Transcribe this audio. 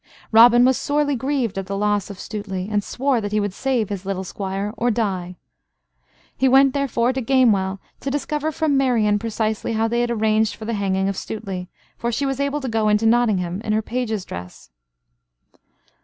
Robin was sorely grieved at the loss of Stuteley, and swore that he would save his little squire or die. He went, therefore, to Gamewell to discover from Marian precisely how they had arranged for the hanging of Stuteley, for she was able to go into Nottingham in her page's dress.